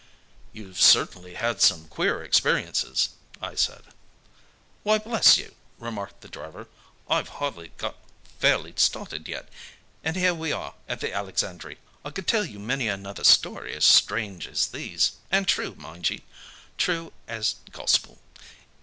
"You've certainly had some queer experiences," I said. "Why bless you!" remarked the driver, "I've hardly got fairly started yet, and here we are at the 'Alexandry.' I could tell you many another story as strange as these and true, mind ye, true as Gospel.